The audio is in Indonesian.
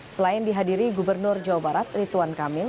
selain dihadiri gubernur jawa barat rituan kamil